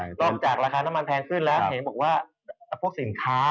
นอกจากราคาน้ำมันแพงขึ้นแล้วเห็นบอกว่าพวกสินค้า